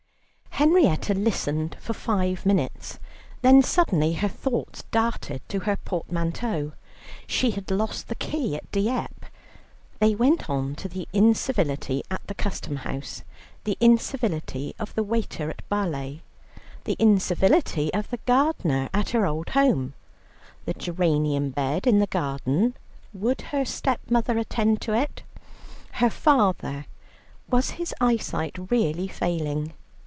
Henrietta listened for five minutes, then suddenly her thoughts darted to her portmanteau: she had lost the key at Dieppe. They went on to the incivility at the Custom house, the incivility of the waiter at Bâle, the incivility of the gardener at her old home, the geranium bed in the garden would her stepmother attend to it? her father, was his eyesight really failing?